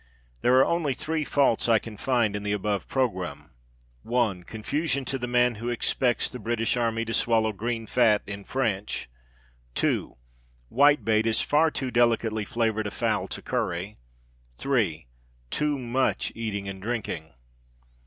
There are only three faults I can find in the above programme: (1) Confusion to the man who expects the British Army to swallow green fat in French. (2) Whitebait is far too delicately flavoured a fowl to curry. (3) Too much eating and drinking.